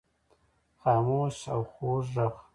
خاموش او خوږ ږغ